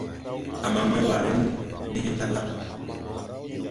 A man maywaare de hen tagla.